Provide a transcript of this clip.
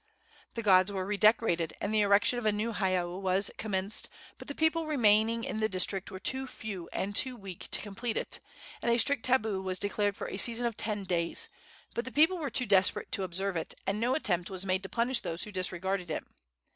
The gods were redecorated, and the erection of a new heiau was commenced, but the people remaining in the district were too few and too weak to complete it; and a strict tabu was declared for a season of ten days, but the people were too desperate to observe it, and no attempt was made to punish those who disregarded it.